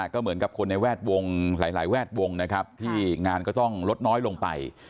ก็เหมือนกับคนในแวดวงหลายแวดวงนะครับที่งานก็ต้องลดน้อยลงไป